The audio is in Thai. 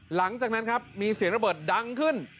หลังจากนั้นครับมีเสียงระเบิดดังขึ้น